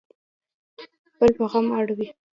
بل په غم اړوي